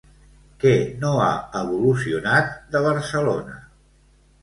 Què no ha evolucionat de Barcelona?